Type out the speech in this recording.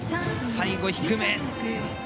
最後、低め。